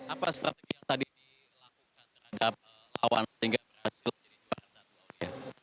apa strategi yang tadi dilakukan terhadap lawan sehingga berhasil menjadi juara satu tunggal putri remaja